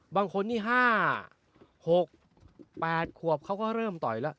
บางคนนี้๕๖บาท๘บาทควบเขาก็เริ่มต่อแล้ว